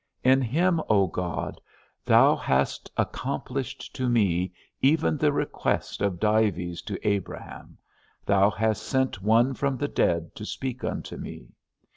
In him, O God, thou hast accomplished to me even the request of Dives to Abraham; thou hast sent one from the dead to speak unto me.